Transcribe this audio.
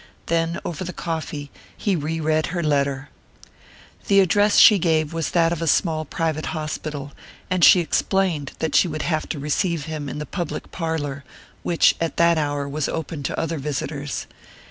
Then, over the coffee, he re read her letter. The address she gave was that of a small private hospital, and she explained that she would have to receive him in the public parlour, which at that hour was open to other visitors.